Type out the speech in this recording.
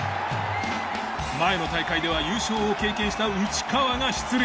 前の大会では優勝を経験した内川が出塁。